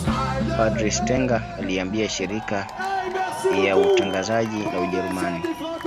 Padre Stenger aliiambia shirika ia utangazaji la Ujerumani